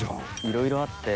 いろいろあって。